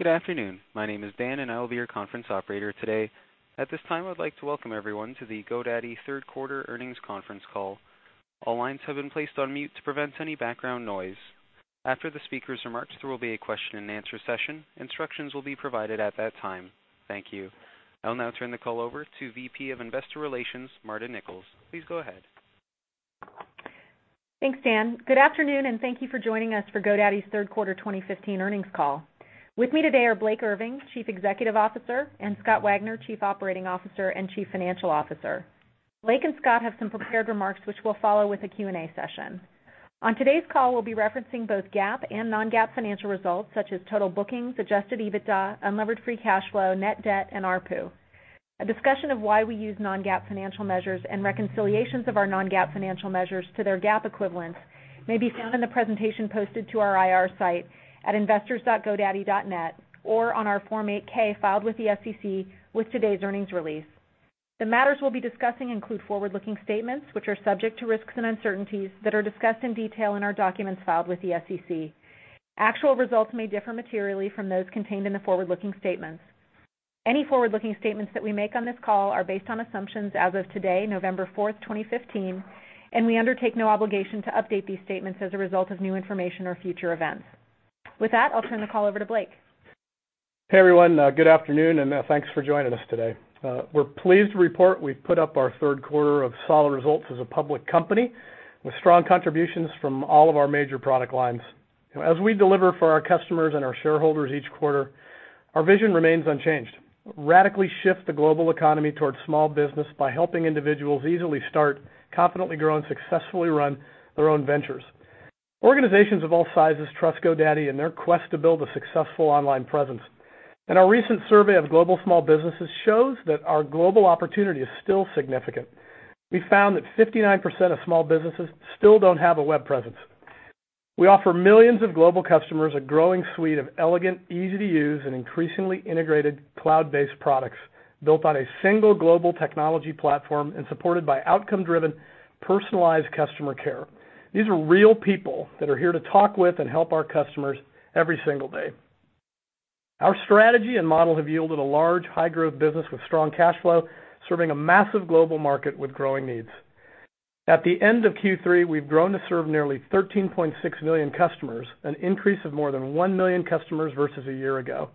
Good afternoon. My name is Dan, I will be your conference operator today. At this time, I would like to welcome everyone to the GoDaddy Third Quarter Earnings Conference Call. All lines have been placed on mute to prevent any background noise. After the speakers' remarks, there will be a question-and-answer session. Instructions will be provided at that time. Thank you. I'll now turn the call over to VP of Investor Relations, Marta Nichols. Please go ahead. Thanks, Dan. Good afternoon, thank you for joining us for GoDaddy's third quarter 2015 earnings call. With me today are Blake Irving, Chief Executive Officer, and Scott Wagner, Chief Operating Officer and Chief Financial Officer. Blake and Scott have some prepared remarks, which will follow with a Q&A session. On today's call, we'll be referencing both GAAP and non-GAAP financial results such as total bookings, adjusted EBITDA, unlevered free cash flow, net debt, and ARPU. A discussion of why we use non-GAAP financial measures and reconciliations of our non-GAAP financial measures to their GAAP equivalents may be found in the presentation posted to our IR site at investors.godaddy.net or on our Form 8-K filed with the SEC with today's earnings release. The matters we'll be discussing include forward-looking statements, which are subject to risks and uncertainties that are discussed in detail in our documents filed with the SEC. Actual results may differ materially from those contained in the forward-looking statements. Any forward-looking statements that we make on this call are based on assumptions as of today, November 4th, 2015, we undertake no obligation to update these statements as a result of new information or future events. With that, I'll turn the call over to Blake. Hey, everyone. Good afternoon, thanks for joining us today. We're pleased to report we've put up our third quarter of solid results as a public company, with strong contributions from all of our major product lines. As we deliver for our customers and our shareholders each quarter, our vision remains unchanged. Radically shift the global economy towards small business by helping individuals easily start, confidently grow, and successfully run their own ventures. Organizations of all sizes trust GoDaddy in their quest to build a successful online presence, our recent survey of global small businesses shows that our global opportunity is still significant. We found that 59% of small businesses still don't have a web presence. We offer millions of global customers a growing suite of elegant, easy-to-use, and increasingly integrated cloud-based products built on a single global technology platform and supported by outcome-driven, personalized customer care. These are real people that are here to talk with and help our customers every single day. Our strategy and model have yielded a large, high-growth business with strong cash flow, serving a massive global market with growing needs. At the end of Q3, we've grown to serve nearly 13.6 million customers, an increase of more than 1 million customers versus a year ago.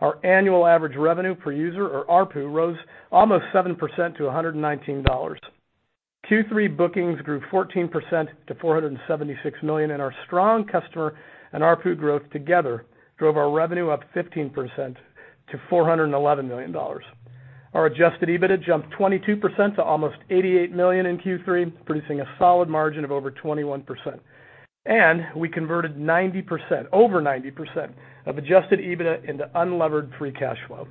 Our annual average revenue per user, or ARPU, rose almost 7% to $119. Q3 bookings grew 14% to $476 million, our strong customer and ARPU growth together drove our revenue up 15% to $411 million. Our adjusted EBITDA jumped 22% to almost $88 million in Q3, producing a solid margin of over 21%. We converted over 90% of adjusted EBITDA into unlevered free cash flow.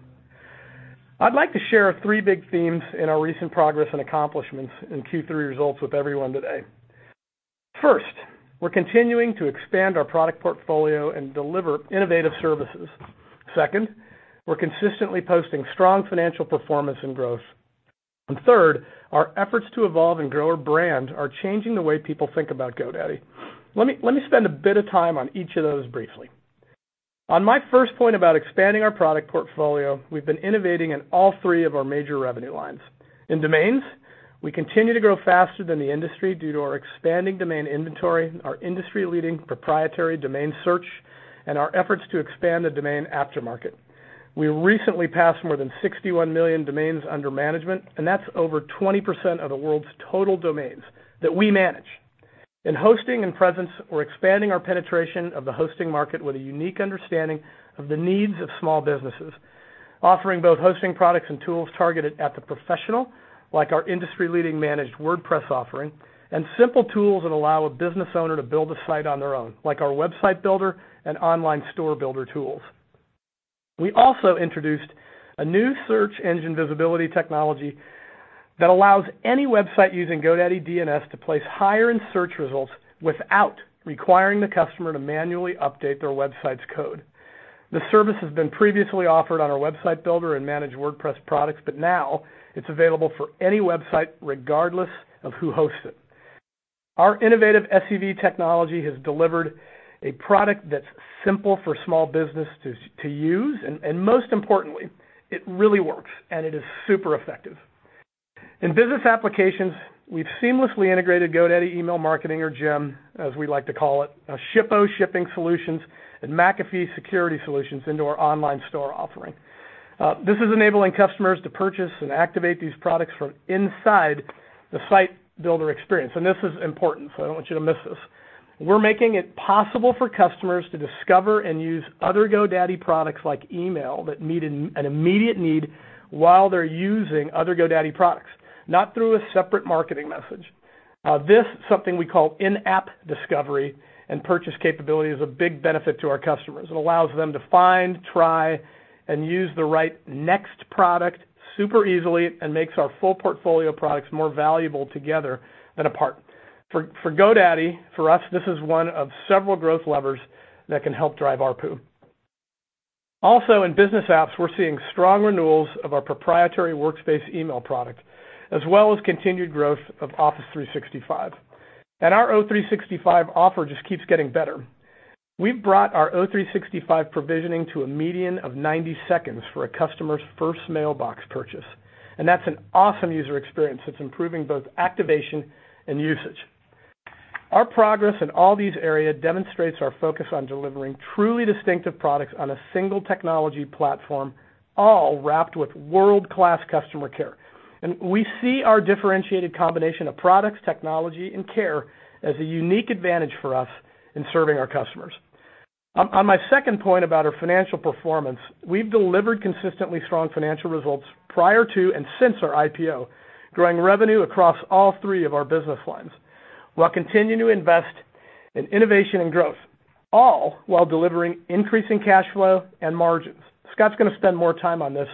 I'd like to share our three big themes in our recent progress and accomplishments in Q3 results with everyone today. First, we're continuing to expand our product portfolio and deliver innovative services. Second, we're consistently posting strong financial performance and growth. Third, our efforts to evolve and grow our brand are changing the way people think about GoDaddy. Let me spend a bit of time on each of those briefly. On my first point about expanding our product portfolio, we've been innovating in all three of our major revenue lines. In domains, we continue to grow faster than the industry due to our expanding domain inventory, our industry-leading proprietary domain search, and our efforts to expand the domain aftermarket. We recently passed more than 61 million domains under management, and that's over 20% of the world's total domains that we manage. In hosting and presence, we're expanding our penetration of the hosting market with a unique understanding of the needs of small businesses, offering both hosting products and tools targeted at the professional, like our industry-leading Managed WordPress offering, and simple tools that allow a business owner to build a site on their own, like our website builder and online store builder tools. We also introduced a new search engine visibility technology that allows any website using GoDaddy DNS to place higher in search results without requiring the customer to manually update their website's code. This service has been previously offered on our website builder and Managed WordPress products, but now it's available for any website, regardless of who hosts it. Our innovative SEO technology has delivered a product that's simple for small business to use, and most importantly, it really works, and it is super effective. In business applications, we've seamlessly integrated GoDaddy Email Marketing, or GEM, as we like to call it, Shippo Shipping Solutions, and McAfee Security Solutions into our online store offering. This is enabling customers to purchase and activate these products from inside the site builder experience. This is important, so I don't want you to miss this. We're making it possible for customers to discover and use other GoDaddy products like email that meet an immediate need, while they're using other GoDaddy products, not through a separate marketing message. This, something we call in-app discovery and purchase capability, is a big benefit to our customers. It allows them to find, try, and use the right next product super easily and makes our full portfolio of products more valuable together than apart. For GoDaddy, for us, this is one of several growth levers that can help drive ARPU. Also, in business apps, we're seeing strong renewals of our proprietary workspace email product, as well as continued growth of Office 365. Our O365 offer just keeps getting better. We've brought our O365 provisioning to a median of 90 seconds for a customer's first mailbox purchase, and that's an awesome user experience that's improving both activation and usage. Our progress in all these areas demonstrates our focus on delivering truly distinctive products on a single technology platform, all wrapped with world-class customer care. We see our differentiated combination of products, technology, and care as a unique advantage for us in serving our customers. On my second point about our financial performance, we've delivered consistently strong financial results prior to and since our IPO, growing revenue across all three of our business lines, while continuing to invest in innovation and growth, all while delivering increasing cash flow and margins. Scott's going to spend more time on this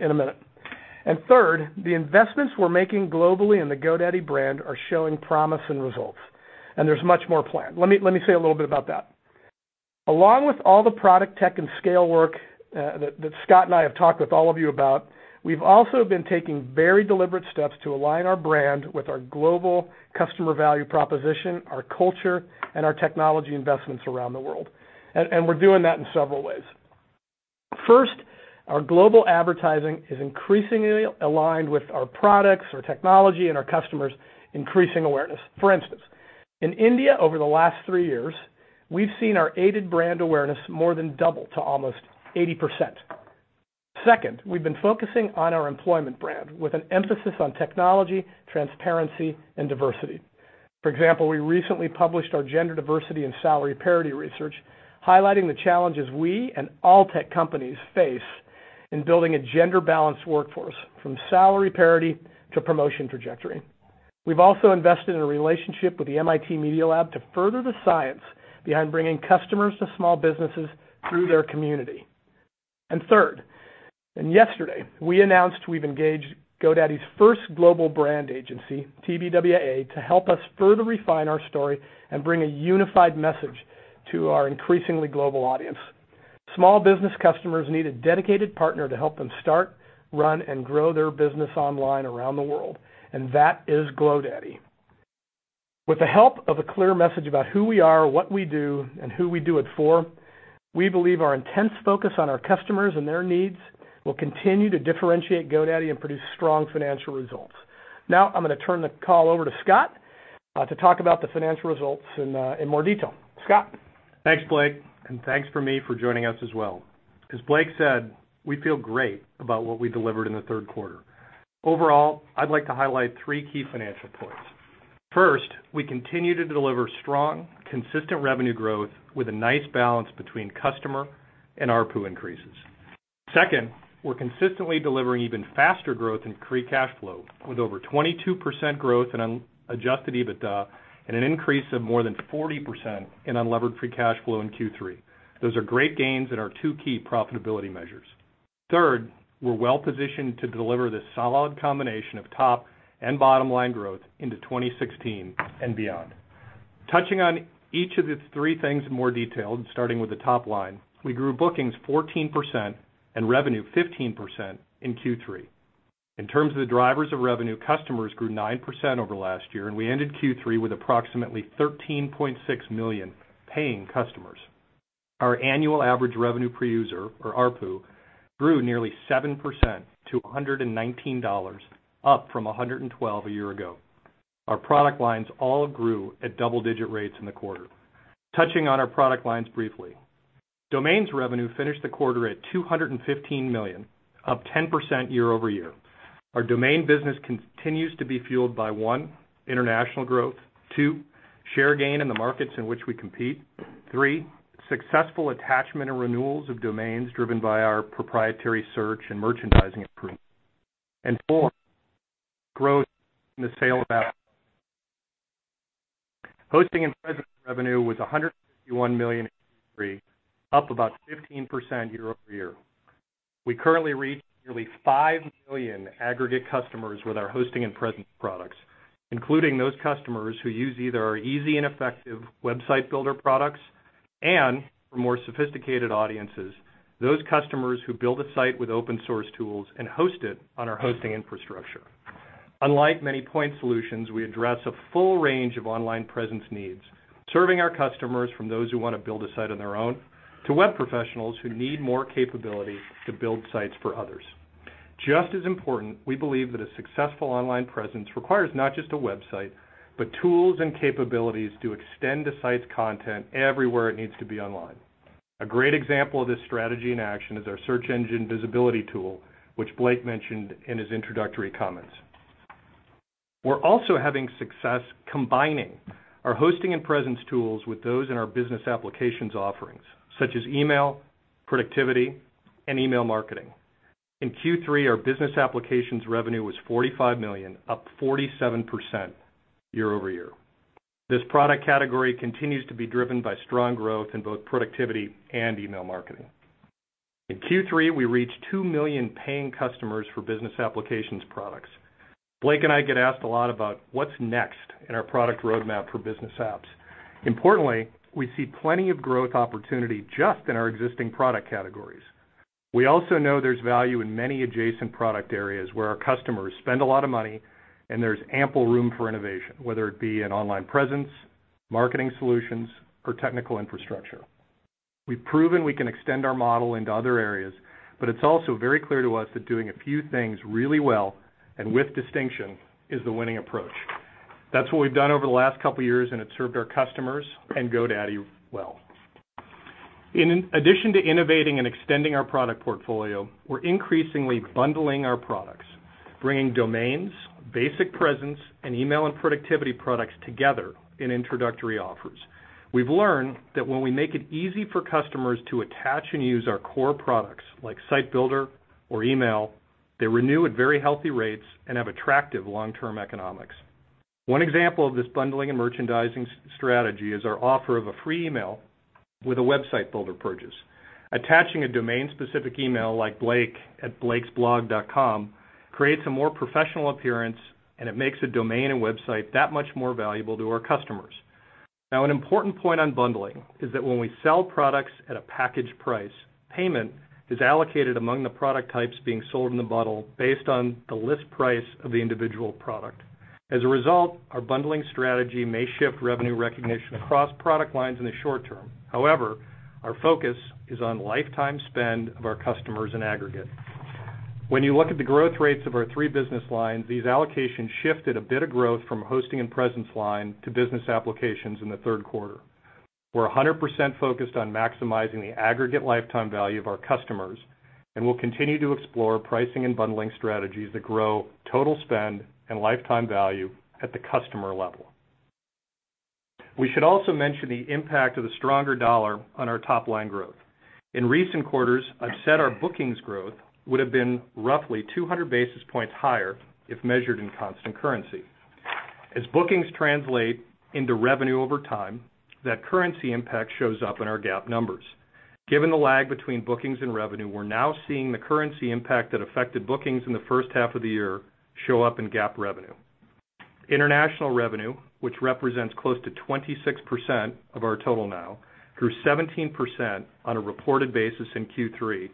in a minute. Third, the investments we're making globally in the GoDaddy brand are showing promise and results, and there's much more planned. Let me say a little bit about that. Along with all the product tech and scale work that Scott and I have talked with all of you about, we've also been taking very deliberate steps to align our brand with our global customer value proposition, our culture, and our technology investments around the world. We're doing that in several ways. First, our global advertising is increasingly aligned with our products, our technology, and our customers, increasing awareness. For instance, in India over the last three years, we've seen our aided brand awareness more than double to almost 80%. Second, we've been focusing on our employment brand with an emphasis on technology, transparency, and diversity. For example, we recently published our gender diversity and salary parity research, highlighting the challenges we and all tech companies face in building a gender-balanced workforce, from salary parity to promotion trajectory. We've also invested in a relationship with the MIT Media Lab to further the science behind bringing customers to small businesses through their community. Third, and yesterday, we announced we've engaged GoDaddy's first global brand agency, TBWA, to help us further refine our story and bring a unified message to our increasingly global audience. Small business customers need a dedicated partner to help them start, run, and grow their business online around the world, and that is GoDaddy. With the help of a clear message about who we are, what we do, and who we do it for, we believe our intense focus on our customers and their needs will continue to differentiate GoDaddy and produce strong financial results. I'm going to turn the call over to Scott to talk about the financial results in more detail. Scott? Thanks, Blake, and thanks for me for joining us as well. As Blake said, we feel great about what we delivered in the third quarter. Overall, I'd like to highlight three key financial points. First, we continue to deliver strong, consistent revenue growth with a nice balance between customer and ARPU increases. Second, we're consistently delivering even faster growth in free cash flow, with over 22% growth in adjusted EBITDA and an increase of more than 40% in unlevered free cash flow in Q3. Those are great gains in our two key profitability measures. Third, we're well-positioned to deliver this solid combination of top and bottom-line growth into 2016 and beyond. Touching on each of the three things in more detail and starting with the top line, we grew bookings 14% and revenue 15% in Q3. In terms of the drivers of revenue, customers grew 9% over last year, and we ended Q3 with approximately 13.6 million paying customers. Our annual average revenue per user, or ARPU, grew nearly 7% to $119, up from $112 a year ago. Our product lines all grew at double-digit rates in the quarter. Touching on our product lines briefly, Domains revenue finished the quarter at $215 million, up 10% year-over-year. Our domain business continues to be fueled by, one, international growth. Two, share gain in the markets in which we compete. Three, successful attachment and renewals of domains driven by our proprietary search and merchandising improvements. Four, growth in the sale of. Hosting and Presence revenue was $151 million in Q3, up about 15% year-over-year. We currently reach nearly 5 million aggregate customers with our Hosting and Presence products, including those customers who use either our easy and effective Website Builder products, and for more sophisticated audiences, those customers who build a site with open source tools and host it on our hosting infrastructure. Unlike many point solutions, we address a full range of online presence needs, serving our customers from those who want to build a site on their own, to web professionals who need more capability to build sites for others. Just as important, we believe that a successful online presence requires not just a website, but tools and capabilities to extend the site's content everywhere it needs to be online. A great example of this strategy in action is our Search Engine Visibility tool, which Blake mentioned in his introductory comments. We're also having success combining our Hosting and Presence tools with those in our Business Applications offerings, such as email, productivity, and Email Marketing. In Q3, our Business Applications revenue was $45 million, up 47% year-over-year. This product category continues to be driven by strong growth in both productivity and Email Marketing. In Q3, we reached 2 million paying customers for Business Applications products. Blake and I get asked a lot about what's next in our product roadmap for Business Apps. Importantly, we see plenty of growth opportunity just in our existing product categories. We also know there's value in many adjacent product areas where our customers spend a lot of money and there's ample room for innovation, whether it be in Online Presence, Marketing Solutions, or technical infrastructure. We've proven we can extend our model into other areas, but it's also very clear to us that doing a few things really well, and with distinction, is the winning approach. That's what we've done over the last couple of years, and it's served our customers and GoDaddy well. In addition to innovating and extending our product portfolio, we're increasingly bundling our products, bringing domains, basic presence, and email and productivity products together in introductory offers. We've learned that when we make it easy for customers to attach and use our core products, like site builder or email, they renew at very healthy rates and have attractive long-term economics. One example of this bundling and merchandising strategy is our offer of a free email with a website builder purchase. Attaching a domain-specific email like Blake at blakesblog.com creates a more professional appearance, and it makes a domain and website that much more valuable to our customers. An important point on bundling is that when we sell products at a package price, payment is allocated among the product types being sold in the bundle based on the list price of the individual product. As a result, our bundling strategy may shift revenue recognition across product lines in the short term. Our focus is on lifetime spend of our customers in aggregate. You look at the growth rates of our three business lines, these allocations shifted a bit of growth from hosting and presence line to business applications in the third quarter. We're 100% focused on maximizing the aggregate lifetime value of our customers, and we'll continue to explore pricing and bundling strategies that grow total spend and lifetime value at the customer level. We should also mention the impact of the stronger dollar on our top-line growth. In recent quarters, I've said our bookings growth would have been roughly 200 basis points higher if measured in constant currency. As bookings translate into revenue over time, that currency impact shows up in our GAAP numbers. Given the lag between bookings and revenue, we're now seeing the currency impact that affected bookings in the first half of the year show up in GAAP revenue. International revenue, which represents close to 26% of our total now, grew 17% on a reported basis in Q3.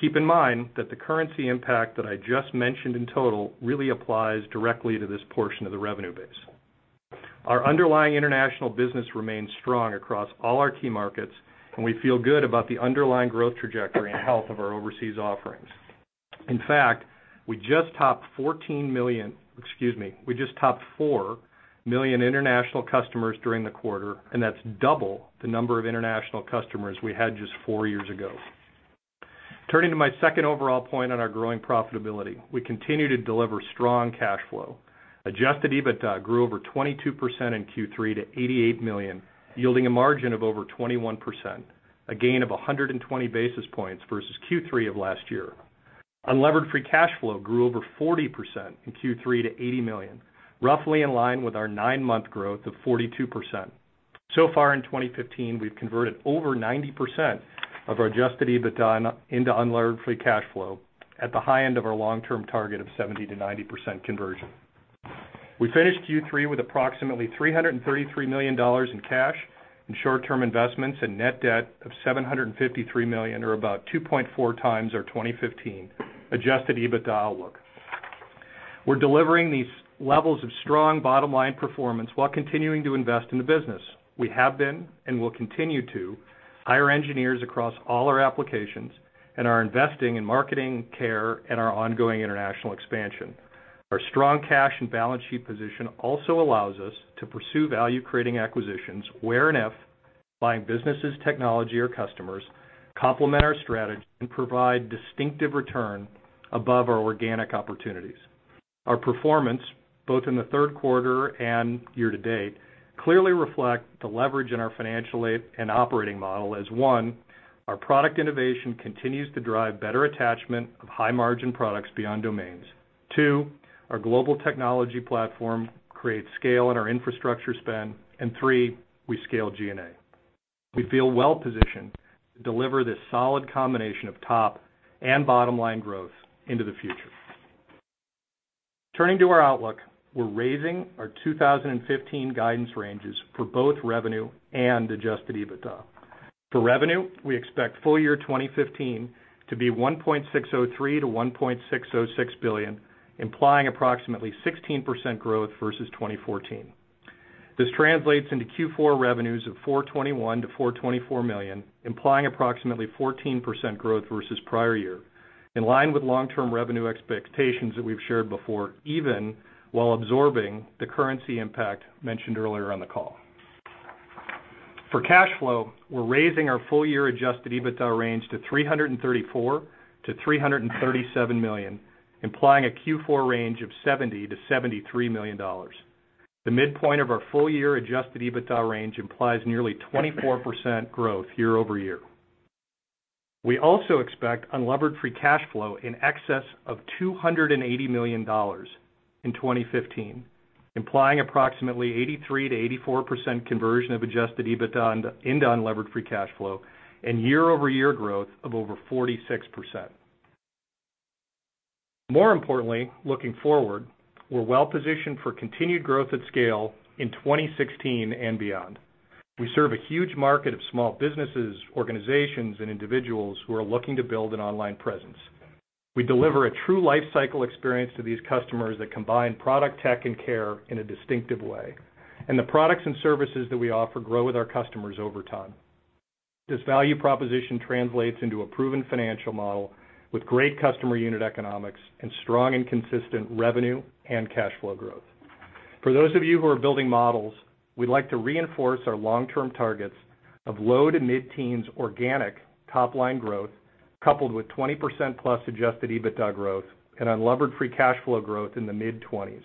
Keep in mind that the currency impact that I just mentioned in total really applies directly to this portion of the revenue base. Our underlying international business remains strong across all our key markets, and we feel good about the underlying growth trajectory and health of our overseas offerings. We just topped 4 million international customers during the quarter, and that's double the number of international customers we had just four years ago. To my second overall point on our growing profitability, we continue to deliver strong cash flow. Adjusted EBITDA grew over 22% in Q3 to $88 million, yielding a margin of over 21%, a gain of 120 basis points versus Q3 of last year. Unlevered free cash flow grew over 40% in Q3 to $80 million, roughly in line with our nine-month growth of 42%. In 2015, we've converted over 90% of our adjusted EBITDA into unlevered free cash flow at the high end of our long-term target of 70%-90% conversion. We finished Q3 with approximately $333 million in cash and short-term investments and net debt of $753 million, or about 2.4 times our 2015 adjusted EBITDA outlook. We're delivering these levels of strong bottom-line performance while continuing to invest in the business. We have been, and will continue to, hire engineers across all our applications and are investing in marketing care and our ongoing international expansion. Our strong cash and balance sheet position also allows us to pursue value-creating acquisitions where and if buying businesses, technology, or customers complement our strategy and provide distinctive return above our organic opportunities. Our performance, both in the third quarter and year-to-date, clearly reflect the leverage in our financial and operating model as, one, our product innovation continues to drive better attachment of high-margin products beyond domains. Two, our global technology platform creates scale in our infrastructure spend. Three, we scale G&A. We feel well-positioned to deliver this solid combination of top and bottom-line growth into the future. Turning to our outlook, we're raising our 2015 guidance ranges for both revenue and adjusted EBITDA. For revenue, we expect full-year 2015 to be $1.603 billion-$1.606 billion, implying approximately 16% growth versus 2014. This translates into Q4 revenues of $421 million-$424 million, implying approximately 14% growth versus prior year, in line with long-term revenue expectations that we've shared before, even while absorbing the currency impact mentioned earlier on the call. For cash flow, we're raising our full-year adjusted EBITDA range to $334 million-$337 million, implying a Q4 range of $70 million-$73 million. The midpoint of our full-year adjusted EBITDA range implies nearly 24% growth year-over-year. We also expect unlevered free cash flow in excess of $280 million in 2015, implying approximately 83%-84% conversion of adjusted EBITDA into unlevered free cash flow and year-over-year growth of over 46%. More importantly, looking forward, we're well-positioned for continued growth at scale in 2016 and beyond. We serve a huge market of small businesses, organizations, and individuals who are looking to build an online presence. We deliver a true life cycle experience to these customers that combine product tech and care in a distinctive way, and the products and services that we offer grow with our customers over time. This value proposition translates into a proven financial model with great customer unit economics and strong and consistent revenue and cash flow growth. For those of you who are building models, we'd like to reinforce our long-term targets of low- to mid-teens organic top-line growth, coupled with 20%-plus adjusted EBITDA growth and unlevered free cash flow growth in the mid-20s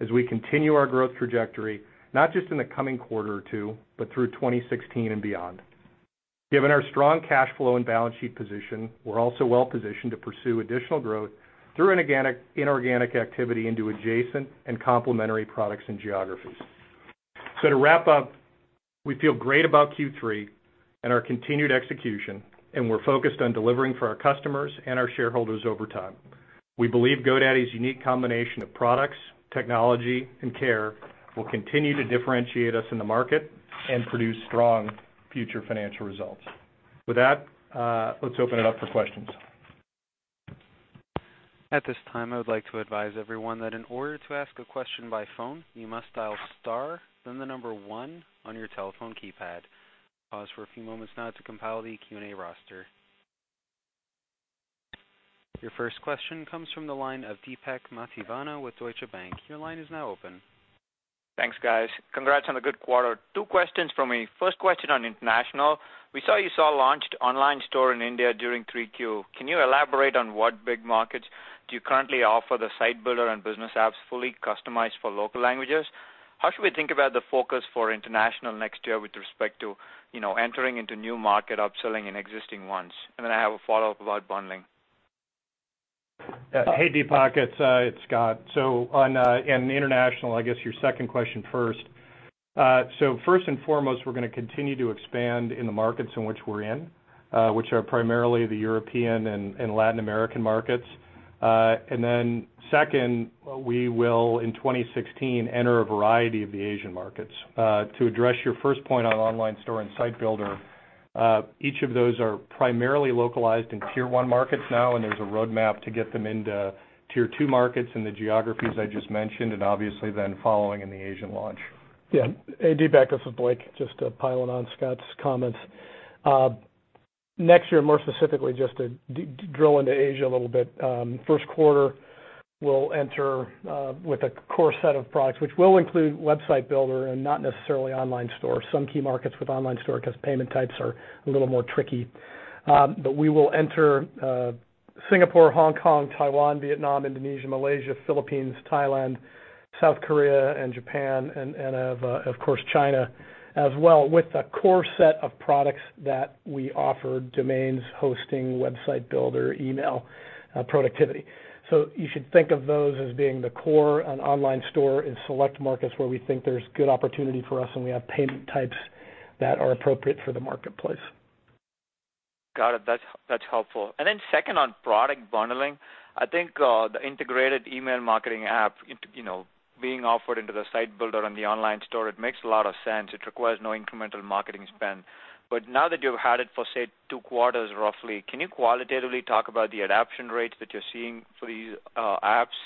as we continue our growth trajectory, not just in the coming quarter or two, but through 2016 and beyond. Given our strong cash flow and balance sheet position, we're also well-positioned to pursue additional growth through inorganic activity into adjacent and complementary products and geographies. To wrap up, we feel great about Q3 and our continued execution, and we're focused on delivering for our customers and our shareholders over time. We believe GoDaddy's unique combination of products, technology, and care will continue to differentiate us in the market and produce strong future financial results. With that, let's open it up for questions. At this time, I would like to advise everyone that in order to ask a question by phone, you must dial star, then the number one on your telephone keypad. Pause for a few moments now to compile the Q&A roster. Your first question comes from the line of Deepak Mathivanan with Deutsche Bank. Your line is now open. Thanks, guys. Congrats on a good quarter. Two questions from me. First question on international. We saw you launched online store in India during 3Q. Can you elaborate on what big markets do you currently offer the site builder and business apps fully customized for local languages? How should we think about the focus for international next year with respect to entering into new market, upselling, and existing ones? I have a follow-up about bundling. Hey, Deepak. It's Scott. On international, I guess your second question first. First and foremost, we're going to continue to expand in the markets in which we're in, which are primarily the European and Latin American markets. Second, we will, in 2016, enter a variety of the Asian markets. To address your first point on online store and site builder, each of those are primarily localized in Tier 1 markets now, and there's a roadmap to get them into Tier 2 markets in the geographies I just mentioned, and obviously then following in the Asian launch. Hey, Deepak, this is Blake, just to pile on Scott's comments. Next year, more specifically, just to drill into Asia a little bit, first quarter, we'll enter with a core set of products, which will include Website Builder and not necessarily Online Store. Some key markets with Online Store, because payment types are a little more tricky. We will enter Singapore, Hong Kong, Taiwan, Vietnam, Indonesia, Malaysia, Philippines, Thailand, South Korea, and Japan, and of course, China as well, with a core set of products that we offer: domains, hosting, Website Builder, email, productivity. You should think of those as being the core, an Online Store in select markets where we think there's good opportunity for us, and we have payment types that are appropriate for the marketplace. Got it. That's helpful. Second on product bundling, I think, the integrated Email Marketing app being offered into the Website Builder and the Online Store, it makes a lot of sense. It requires no incremental marketing spend. Now that you've had it for, say, two quarters, roughly, can you qualitatively talk about the adaption rates that you're seeing for these apps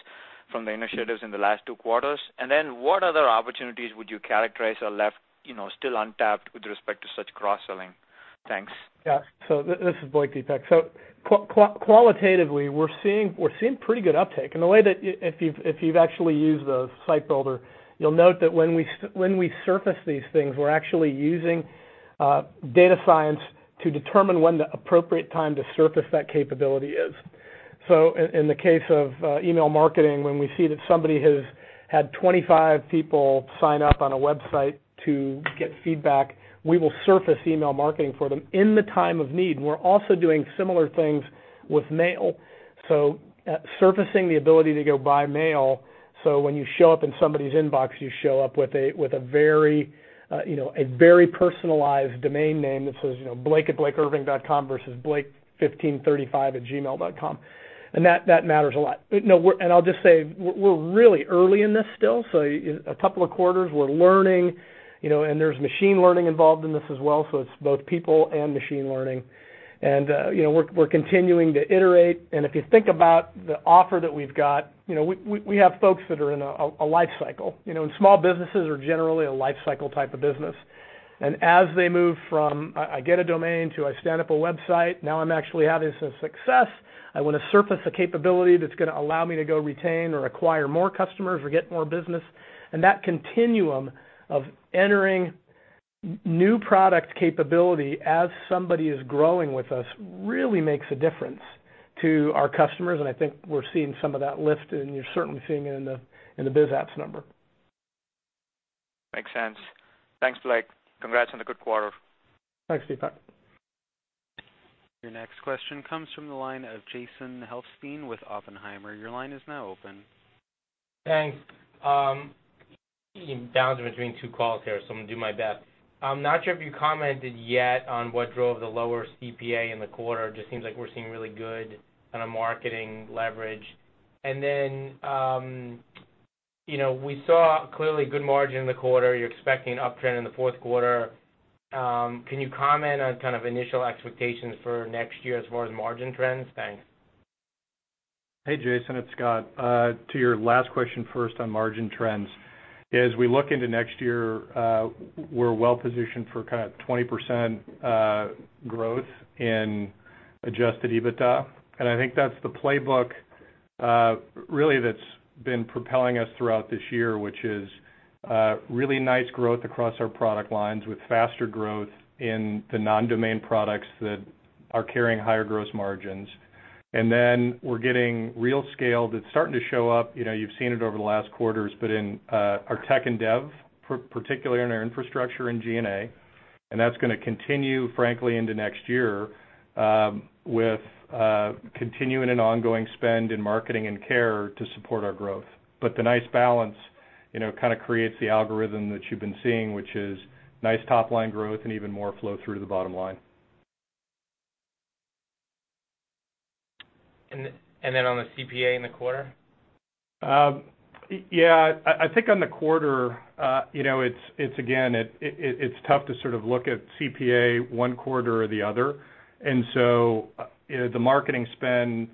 from the initiatives in the last two quarters? What other opportunities would you characterize are left still untapped with respect to such cross-selling? Thanks. This is Blake, Deepak. Qualitatively, we're seeing pretty good uptake. If you've actually used the Website Builder, you'll note that when we surface these things, we're actually using data science to determine when the appropriate time to surface that capability is. In the case of Email Marketing, when we see that somebody has had 25 people sign up on a website to get feedback, we will surface Email Marketing for them in the time of need. We're also doing similar things with mail. Surfacing the ability to go by mail, when you show up in somebody's inbox, you show up with a very personalized domain name that says, Blake@blakeirving.com versus Blake1535@gmail.com. That matters a lot. I'll just say, we're really early in this still. A couple of quarters, we're learning, and there's machine learning involved in this as well. It's both people and machine learning. We're continuing to iterate. If you think about the offer that we've got, we have folks that are in a lifecycle. Small businesses are generally a lifecycle type of business. As they move from "I get a domain" to "I stand up a website, now I'm actually having some success, I want to surface a capability that's going to allow me to go retain or acquire more customers or get more business." That continuum of entering new product capability as somebody is growing with us really makes a difference to our customers, and I think we're seeing some of that lift, and you're certainly seeing it in the biz apps number. Makes sense. Thanks, Blake. Congrats on the good quarter. Thanks, Deepak. Your next question comes from the line of Jason Helfstein with Oppenheimer. Your line is now open. Thanks. Bouncing between two calls here, so I'm going to do my best. I'm not sure if you commented yet on what drove the lower CPA in the quarter. Just seems like we're seeing really good kind of marketing leverage. We saw clearly good margin in the quarter. You're expecting an uptrend in the fourth quarter. Can you comment on kind of initial expectations for next year as far as margin trends? Thanks. Hey, Jason, it's Scott. To your last question first on margin trends. As we look into next year, we're well-positioned for kind of 20% growth in adjusted EBITDA. I think that's the playbook, really, that's been propelling us throughout this year, which is really nice growth across our product lines with faster growth in the non-domain products that are carrying higher gross margins. Then we're getting real scale that's starting to show up. You've seen it over the last quarters, but in our tech and dev, particularly in our infrastructure in G&A, and that's going to continue, frankly, into next year, with continuing an ongoing spend in marketing and care to support our growth. The nice balance kind of creates the algorithm that you've been seeing, which is nice top-line growth and even more flow through to the bottom line. On the CPA in the quarter? Yeah. I think on the quarter, again, it's tough to sort of look at CPA one quarter or the other. The marketing spend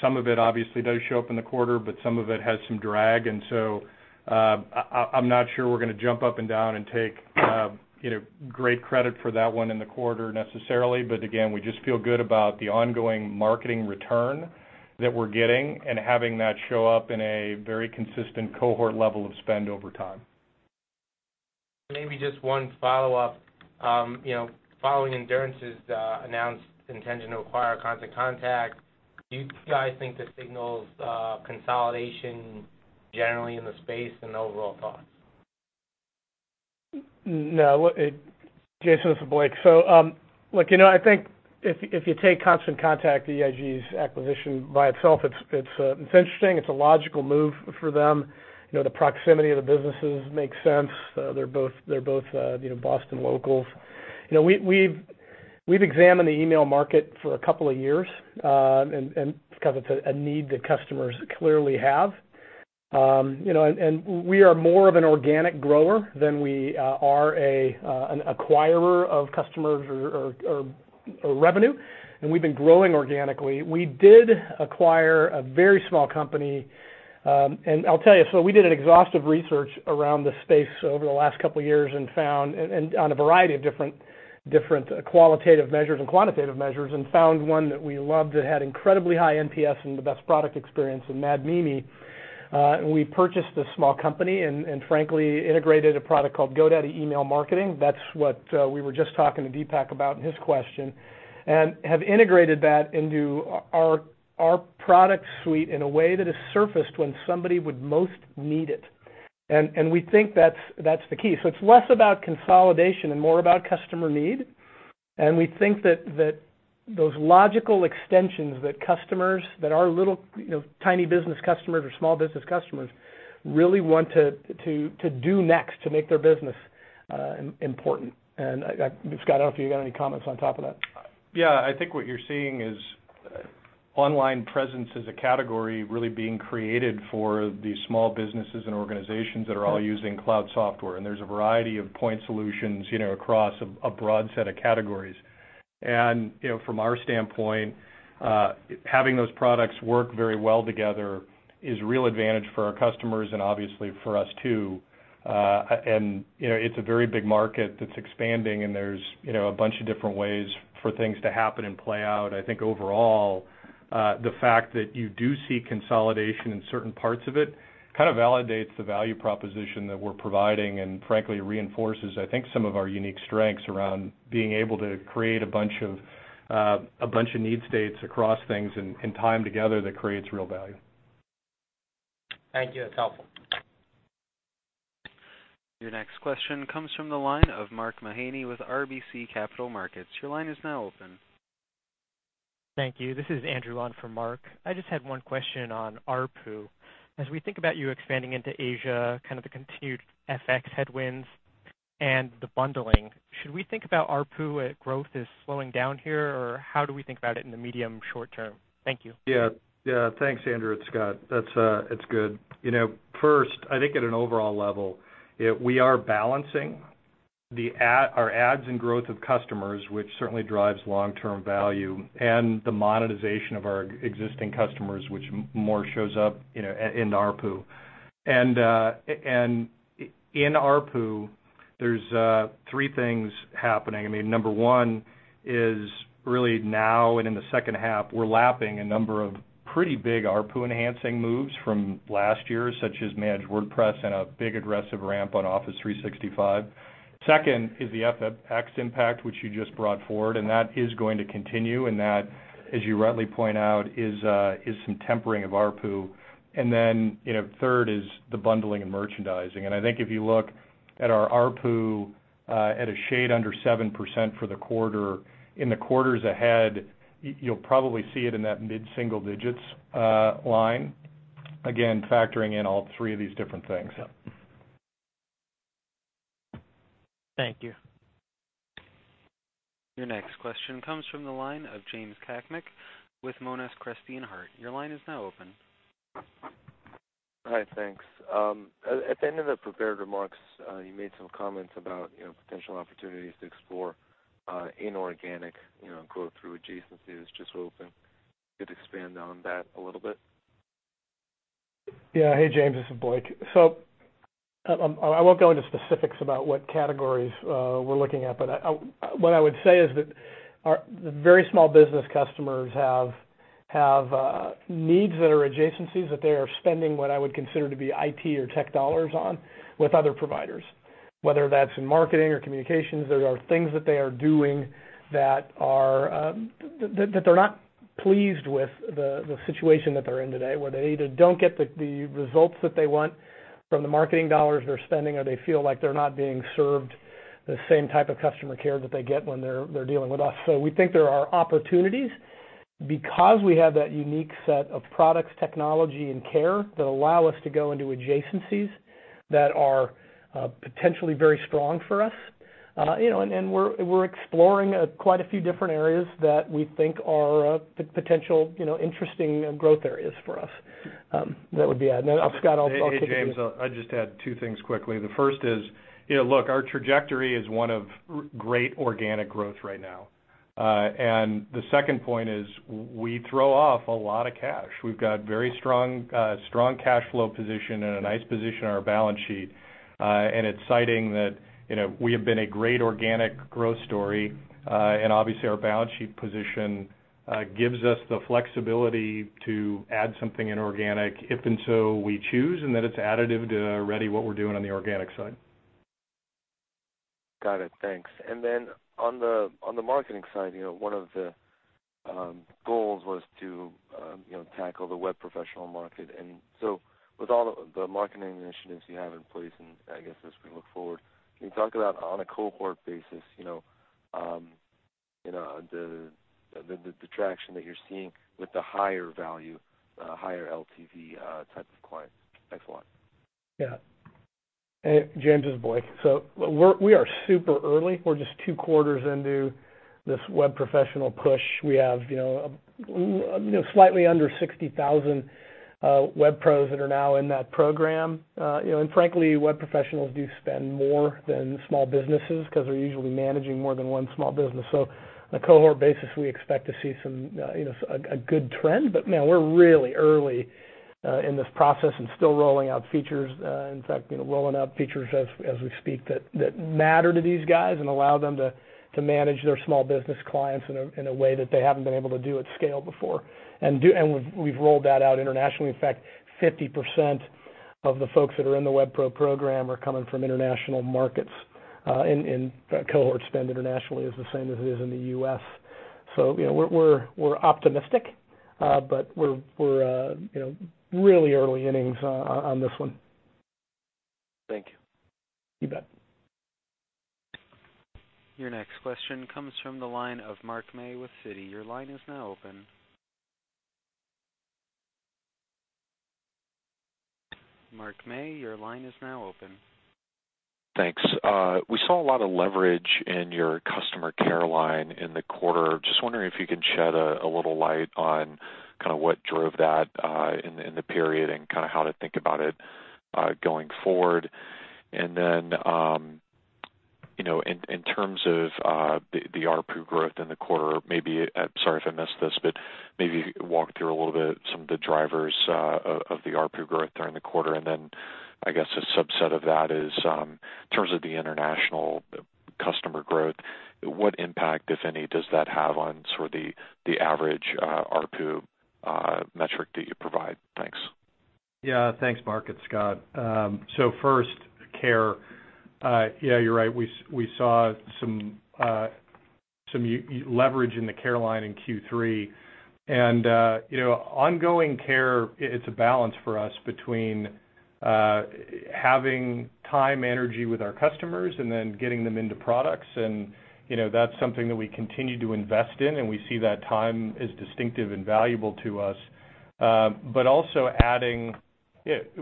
some of it obviously does show up in the quarter, but some of it has some drag, and so I'm not sure we're going to jump up and down and take great credit for that one in the quarter necessarily. Again, we just feel good about the ongoing marketing return that we're getting and having that show up in a very consistent cohort level of spend over time. Maybe just one follow-up. Following Endurance's announced intention to acquire Constant Contact, do you guys think this signals consolidation generally in the space, and overall thoughts? No. Jason, this is Blake. Look, I think if you take Constant Contact, EIG's acquisition by itself, it's interesting. It's a logical move for them. The proximity of the businesses makes sense. They're both Boston locals. We've examined the email market for a couple of years, it's a need that customers clearly have. We are more of an organic grower than we are an acquirer of customers or revenue, and we've been growing organically. We did acquire a very small company. I'll tell you, we did an exhaustive research around the space over the last couple of years and found, on a variety of different qualitative measures and quantitative measures, and found one that we loved that had incredibly high NPS and the best product experience in Mad Mimi. We purchased this small company and frankly integrated a product called GoDaddy Email Marketing. That's what we were just talking to Deepak about in his question, have integrated that into our product suite in a way that is surfaced when somebody would most need it. We think that's the key. It's less about consolidation and more about customer need. We think that those logical extensions that our little tiny business customers or small business customers really want to do next to make their business important. Scott, I don't know if you got any comments on top of that. Yeah, I think what you're seeing is online presence as a category really being created for the small businesses and organizations that are all using cloud software. There's a variety of point solutions across a broad set of categories. From our standpoint, having those products work very well together is a real advantage for our customers and obviously for us too. It's a very big market that's expanding, and there's a bunch of different ways for things to happen and play out. I think overall, the fact that you do see consolidation in certain parts of it kind of validates the value proposition that we're providing and frankly reinforces, I think, some of our unique strengths around being able to create a bunch of need states across things and tie them together that creates real value. Thank you. That's helpful. Your next question comes from the line of Mark Mahaney with RBC Capital Markets. Your line is now open. Thank you. This is Andrew on for Mark. I just had one question on ARPU. As we think about you expanding into Asia, kind of the continued FX headwinds and the bundling, should we think about ARPU growth as slowing down here, or how do we think about it in the medium short term? Thank you. Yeah. Thanks, Andrew. It's Scott. It's good. First, I think at an overall level, we are balancing our adds and growth of customers, which certainly drives long-term value, and the monetization of our existing customers, which more shows up in ARPU. In ARPU, there's three things happening. Number one is really now and in the second half, we're lapping a number of pretty big ARPU-enhancing moves from last year, such as Managed WordPress and a big aggressive ramp on Office 365. Second is the FX impact, which you just brought forward, and that is going to continue, and that, as you rightly point out, is some tempering of ARPU. Then third is the bundling and merchandising. I think if you look at our ARPU at a shade under 7% for the quarter, in the quarters ahead, you'll probably see it in that mid-single digits line. Again, factoring in all three of these different things. Thank you. Your next question comes from the line of James Cakmak with Monness, Crespi, Hardt & Co. Your line is now open. Hi, thanks. At the end of the prepared remarks, you made some comments about potential opportunities to explore inorganic growth through adjacencies. Just wondering if you could expand on that a little bit. Yeah. Hey, James, this is Blake. I won't go into specifics about what categories we're looking at, but what I would say is that our very small business customers have needs that are adjacencies that they are spending what I would consider to be IT or tech dollars on with other providers, whether that's in marketing or communications. There are things that they are doing that they're not pleased with the situation that they're in today. Where they either don't get the results that they want from the marketing dollars they're spending, or they feel like they're not being served the same type of customer care that they get when they're dealing with us. We think there are opportunities because we have that unique set of products, technology, and care that allow us to go into adjacencies that are potentially very strong for us. We're exploring quite a few different areas that we think are potential interesting growth areas for us. That would be it. Scott, I'll- Hey, James, I'll just add two things quickly. The first is, look, our trajectory is one of great organic growth right now. The second point is, we throw off a lot of cash. We've got very strong cash flow position and a nice position on our balance sheet. It's exciting that we have been a great organic growth story. Obviously, our balance sheet position gives us the flexibility to add something inorganic if and so we choose, and that it's additive to already what we're doing on the organic side. Got it. Thanks. Then on the marketing side, one of the goals was to tackle the web professional market. With all the marketing initiatives you have in place, I guess as we look forward, can you talk about, on a cohort basis, the traction that you're seeing with the higher value, higher LTV type of clients? Thanks a lot. Yeah. Hey, James, this is Blake. We are super early. We're just two quarters into this web professional push. We have slightly under 60,000 web pros that are now in that program. Frankly, web professionals do spend more than small businesses because they're usually managing more than one small business. On a cohort basis, we expect to see a good trend, but no, we're really early in this process and still rolling out features. In fact, rolling out features as we speak that matter to these guys and allow them to manage their small business clients in a way that they haven't been able to do at scale before. We've rolled that out internationally. In fact, 50% of the folks that are in the web pro program are coming from international markets, and cohort spend internationally is the same as it is in the U.S. We're optimistic, but we're really early innings on this one. Thank you. You bet. Your next question comes from the line of Mark May with Citi. Your line is now open. Mark May, your line is now open. Thanks. We saw a lot of leverage in your customer care line in the quarter. Just wondering if you could shed a little light on kind of what drove that in the period and kind of how to think about it going forward. In terms of the ARPU growth in the quarter, maybe, sorry if I missed this, but maybe walk through a little bit some of the drivers of the ARPU growth during the quarter. I guess a subset of that is in terms of the international customer growth, what impact, if any, does that have on sort of the average ARPU metric that you provide? Thanks. Yeah. Thanks, Mark. It's Scott. First, care. Yeah, you're right. We saw some leverage in the care line in Q3. Ongoing care, it's a balance for us between having time energy with our customers and then getting them into products. That's something that we continue to invest in, and we see that time is distinctive and valuable to us. Also adding,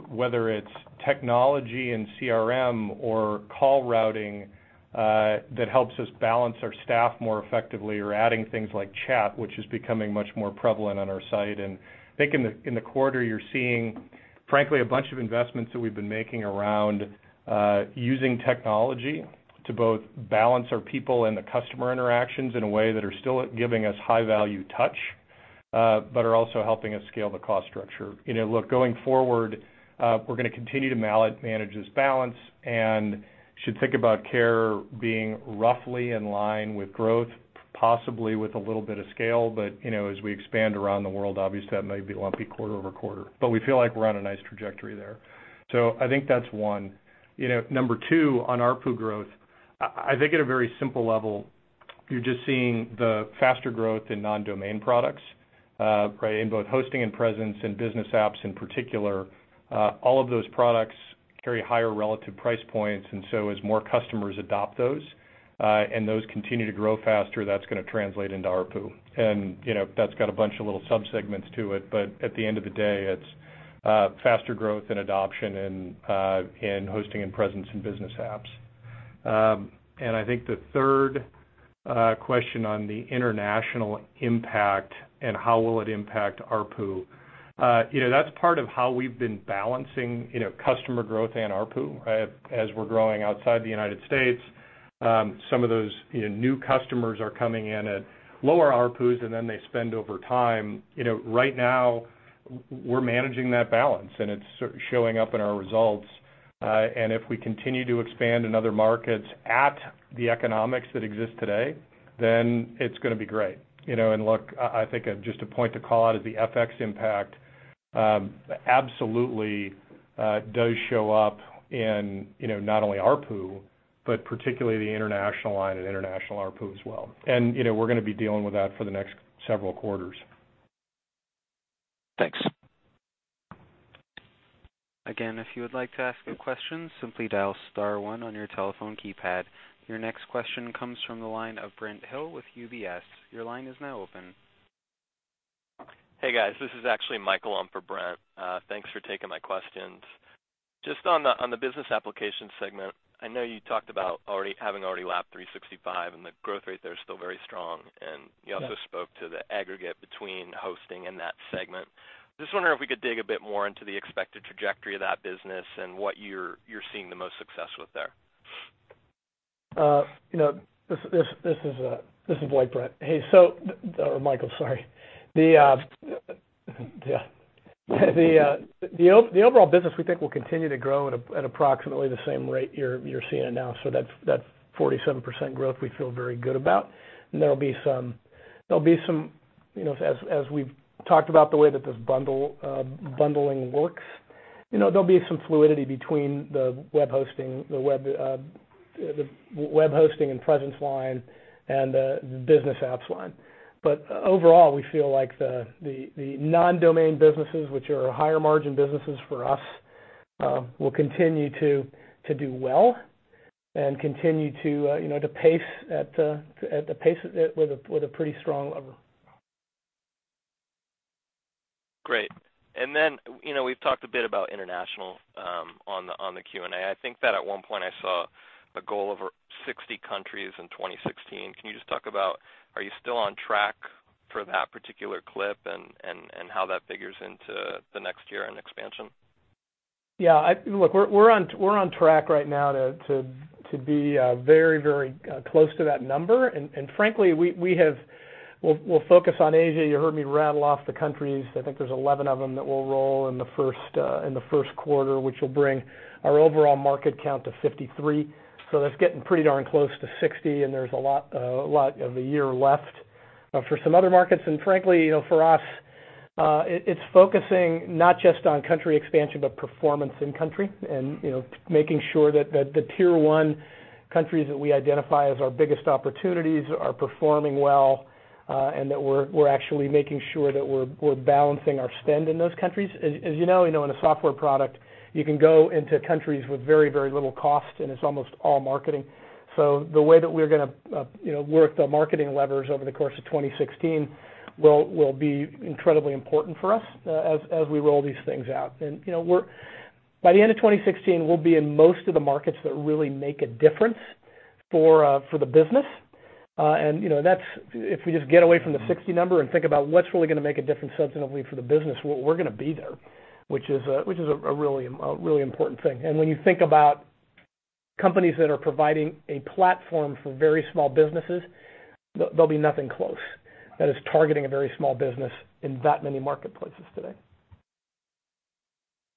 whether it's technology and CRM or call routing, that helps us balance our staff more effectively. We're adding things like chat, which is becoming much more prevalent on our site. I think in the quarter, you're seeing, frankly, a bunch of investments that we've been making around using technology to both balance our people and the customer interactions in a way that are still giving us high-value touch, but are also helping us scale the cost structure. Look, going forward, we're going to continue to manage this balance and should think about care being roughly in line with growth, possibly with a little bit of scale. As we expand around the world, obviously that may be lumpy quarter-over-quarter. We feel like we're on a nice trajectory there. I think that's one. Number two, on ARPU growth, I think at a very simple level, you're just seeing the faster growth in non-domain products, right? In both hosting and presence and business apps in particular. All of those products carry higher relative price points, and so as more customers adopt those- And those continue to grow faster, that's going to translate into ARPU. That's got a bunch of little sub-segments to it, but at the end of the day, it's faster growth and adoption in hosting and presence in business apps. I think the third question on the international impact and how will it impact ARPU. That's part of how we've been balancing customer growth and ARPU as we're growing outside the United States. Some of those new customers are coming in at lower ARPUs, and then they spend over time. Right now, we're managing that balance, and it's showing up in our results. If we continue to expand in other markets at the economics that exist today, then it's going to be great. Look, I think just a point to call out is the FX impact absolutely does show up in not only ARPU, but particularly the international line and international ARPU as well. We're going to be dealing with that for the next several quarters. Thanks. Again, if you would like to ask a question, simply dial star one on your telephone keypad. Your next question comes from the line of Brent Thill with UBS. Your line is now open. Hey, guys. This is actually Michael on for Brent. Thanks for taking my questions. Just on the business application segment, I know you talked about having already lapped 365, and the growth rate there is still very strong. You also spoke to the aggregate between hosting and that segment. Just wondering if we could dig a bit more into the expected trajectory of that business and what you're seeing the most success with there. This is Lloyd, Brent. Hey, Michael, sorry. The overall business, we think will continue to grow at approximately the same rate you're seeing it now. That 47% growth we feel very good about. As we've talked about the way that this bundling works, there'll be some fluidity between the web hosting and presence line and the business apps line. Overall, we feel like the non-domain businesses, which are higher margin businesses for us, will continue to do well and continue to pace at a pace with a pretty strong lever. Great. We've talked a bit about international on the Q&A. I think that at one point I saw a goal of 60 countries in 2016. Can you just talk about, are you still on track for that particular clip and how that figures into the next year in expansion? Yeah. Look, we're on track right now to be very close to that number. Frankly, we'll focus on Asia. You heard me rattle off the countries. I think there's 11 of them that we'll roll in the first quarter, which will bring our overall market count to 53. That's getting pretty darn close to 60, there's a lot of the year left. For some other markets, frankly, for us, it's focusing not just on country expansion, but performance in country and making sure that the tier 1 countries that we identify as our biggest opportunities are performing well, that we're actually making sure that we're balancing our spend in those countries. As you know, in a software product, you can go into countries with very little cost, it's almost all marketing. The way that we're going to work the marketing levers over the course of 2016 will be incredibly important for us as we roll these things out. By the end of 2016, we'll be in most of the markets that really make a difference for the business. If we just get away from the 60 number and think about what's really going to make a difference substantively for the business, we're going to be there, which is a really important thing. When you think about companies that are providing a platform for very small businesses, there'll be nothing close that is targeting a very small business in that many marketplaces today.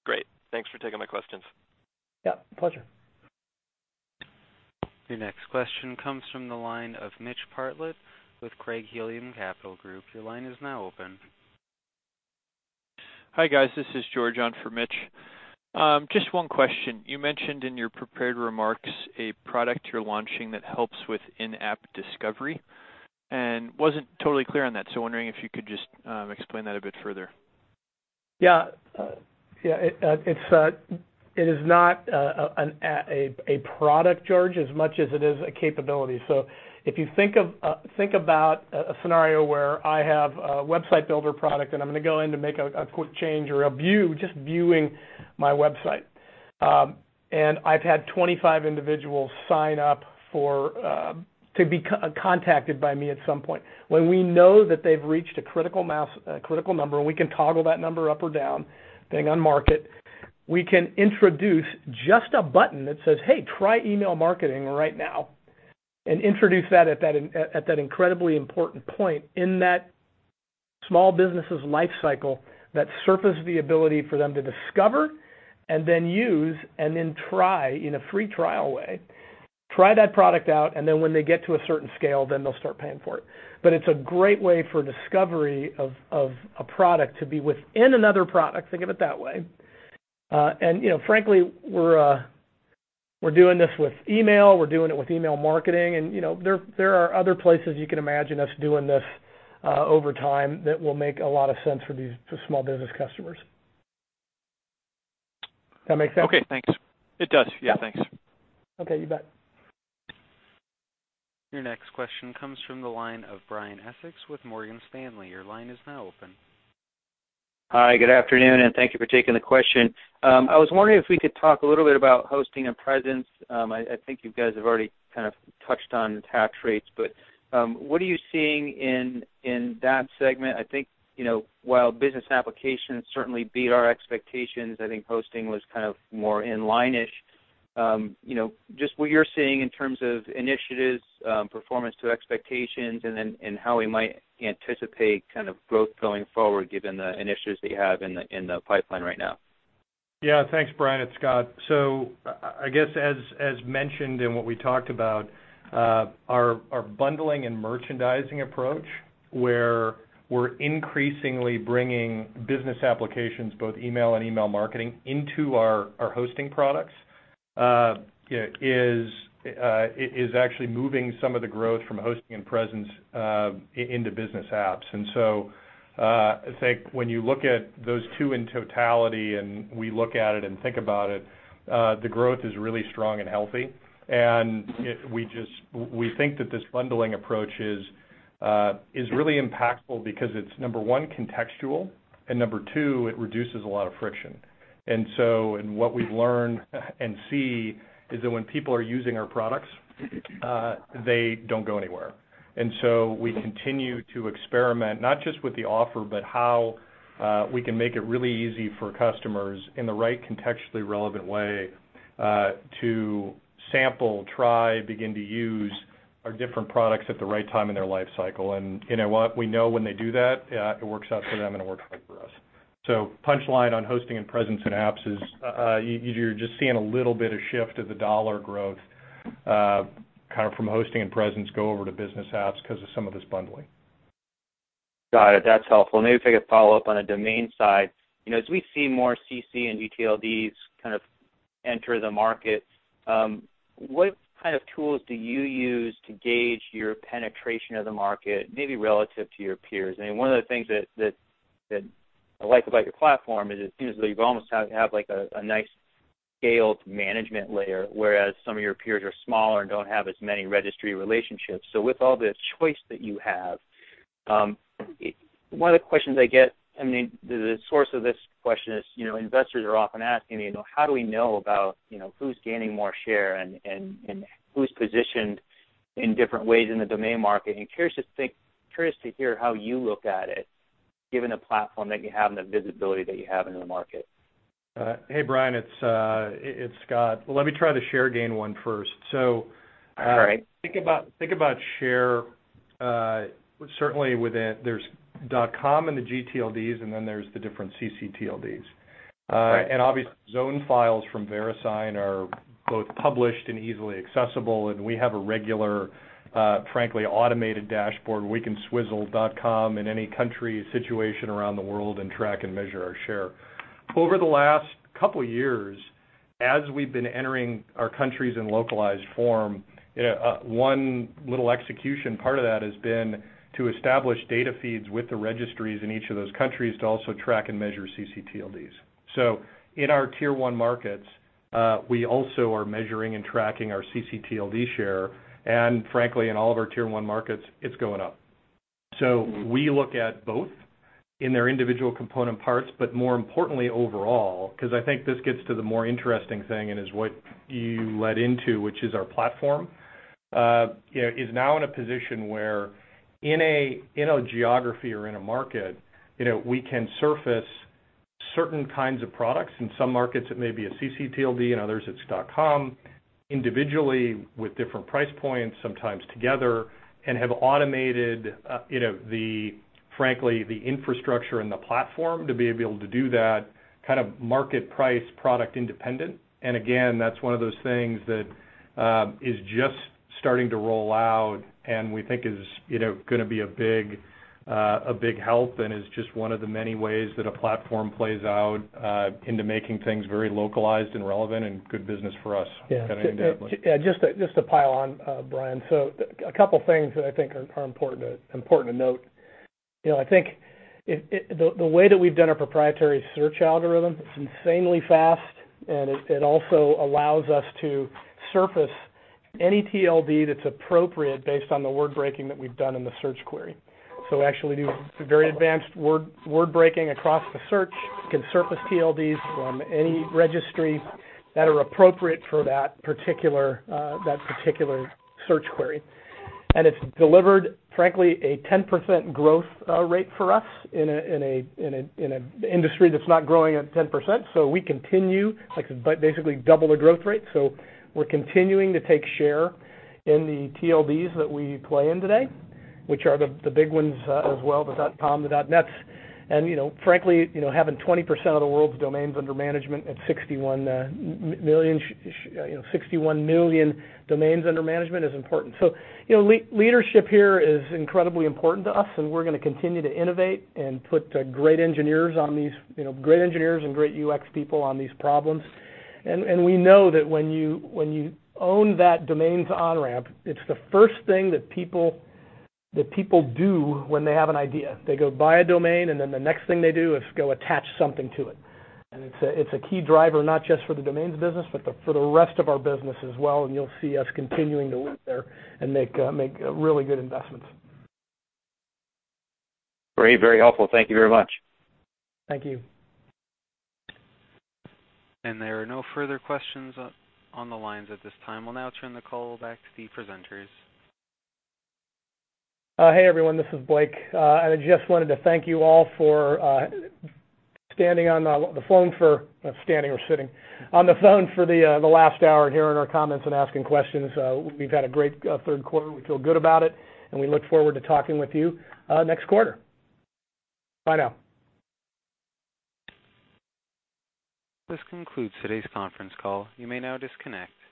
Great. Thanks for taking my questions. Yeah. Pleasure. Your next question comes from the line of Mitch Bartlett with Craig-Hallum Capital Group. Your line is now open. Hi, guys. This is George on for Mitch. Just one question. Wasn't totally clear on that. Wondering if you could just explain that a bit further. Yeah. It is not a product, George, as much as it is a capability. If you think about a scenario where I have a website builder product and I'm going to go in to make a quick change or a view, just viewing my website. I've had 25 individuals sign up to be contacted by me at some point. When we know that they've reached a critical number, and we can toggle that number up or down, depending on market. We can introduce just a button that says, "Hey, try email marketing right now." Introduce that at that incredibly important point in that small business's life cycle that surface the ability for them to discover and then use and then try, in a free trial way, try that product out, and then when they get to a certain scale, then they'll start paying for it. It's a great way for discovery of a product to be within another product. Think of it that way. Frankly, we're doing this with email. We're doing it with email marketing. There are other places you can imagine us doing this over time that will make a lot of sense for these small business customers. That make sense? Okay, thanks. It does. Yeah, thanks. Okay, you bet. Your next question comes from the line of Brian Essex with Morgan Stanley. Your line is now open. Hi, good afternoon, and thank you for taking the question. I was wondering if we could talk a little bit about hosting and presence. I think you guys have already kind of touched on tax rates, but what are you seeing in that segment? I think, while business applications certainly beat our expectations, I think hosting was kind of more in line-ish. Just what you're seeing in terms of initiatives, performance to expectations, and then how we might anticipate kind of growth going forward given the initiatives that you have in the pipeline right now. Yeah. Thanks, Brian. It's Scott. I guess as mentioned in what we talked about, our bundling and merchandising approach, where we're increasingly bringing business applications, both email and email marketing, into our hosting products, is actually moving some of the growth from hosting and presence into business apps. I think when you look at those two in totality, and we look at it and think about it, the growth is really strong and healthy. We think that this bundling approach is really impactful because it's, number 1, contextual, and number 2, it reduces a lot of friction. What we've learned and see is that when people are using our products, they don't go anywhere. We continue to experiment not just with the offer, but how we can make it really easy for customers in the right contextually relevant way to sample, try, begin to use our different products at the right time in their life cycle. You know what? We know when they do that, it works out for them, and it works out for us. Punchline on hosting and presence and apps is you're just seeing a little bit of shift of the dollar growth, kind of from hosting and presence go over to business apps because of some of this bundling. Got it. That's helpful. Maybe take a follow-up on a domain side. As we see more ccTLD and gTLDs kind of enter the market, what kind of tools do you use to gauge your penetration of the market, maybe relative to your peers? I mean, one of the things that I like about your platform is it seems that you almost have a nice scaled management layer, whereas some of your peers are smaller and don't have as many registry relationships. With all this choice that you have, one of the questions I get, I mean, the source of this question is investors are often asking me, "How do we know about who's gaining more share and who's positioned in different ways in the domain market?" Curious to hear how you look at it given the platform that you have and the visibility that you have in the market. Hey, Brian, it's Scott. Let me try the share gain one first. All right. Think about share, certainly within there's .com and the gTLDs, then there's the different ccTLDs. Right. Obviously, zone files from Verisign are both published and easily accessible, and we have a regular, frankly, automated dashboard where we can swizzle .com in any country situation around the world and track and measure our share. Over the last couple of years, as we've been entering our countries in localized form, one little execution part of that has been to establish data feeds with the registries in each of those countries to also track and measure ccTLDs. In our Tier 1 markets, we also are measuring and tracking our ccTLD share, and frankly, in all of our Tier 1 markets, it's going up. We look at both in their individual component parts, but more importantly overall, because I think this gets to the more interesting thing and is what you led into, which is our platform, is now in a position where in a geography or in a market, we can surface certain kinds of products. In some markets, it may be a ccTLD, in others, it's .com, individually with different price points, sometimes together, and have automated frankly the infrastructure and the platform to be able to do that kind of market price product independent. Again, that's one of those things that is just starting to roll out and we think is going to be a big help and is just one of the many ways that a platform plays out into making things very localized and relevant and good business for us. Yeah. Just to pile on, Brian. A couple things that I think are important to note. I think the way that we've done our proprietary search algorithm, it's insanely fast, and it also allows us to surface any TLD that's appropriate based on the word breaking that we've done in the search query. We actually do very advanced word breaking across the search, can surface TLDs from any registry that are appropriate for that particular search query. It's delivered, frankly, a 10% growth rate for us in an industry that's not growing at 10%. We continue, like I said, basically double the growth rate. We're continuing to take share in the TLDs that we play in today, which are the big ones as well, the .com, the .nets. Frankly, having 20% of the world's domains under management at 61 million domains under management is important. Leadership here is incredibly important to us, and we're going to continue to innovate and put great engineers and great UX people on these problems. We know that when you own that domains on-ramp, it's the first thing that people do when they have an idea. They go buy a domain, and then the next thing they do is go attach something to it. It's a key driver, not just for the domains business, but for the rest of our business as well, and you'll see us continuing to lead there and make really good investments. Great. Very helpful. Thank you very much. Thank you. There are no further questions on the lines at this time. We'll now turn the call back to the presenters. Hey, everyone, this is Blake. I just wanted to thank you all for standing or sitting on the phone for the last hour and hearing our comments and asking questions. We've had a great third quarter. We feel good about it, and we look forward to talking with you next quarter. Bye now. This concludes today's conference call. You may now disconnect.